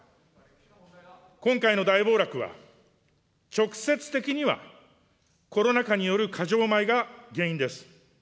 今回の大暴落は、直接的にはコロナ禍による過剰米が原因です。